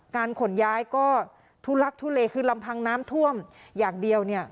ขนย้ายก็ทุลักทุเลคือลำพังน้ำท่วมอย่างเดียวเนี่ย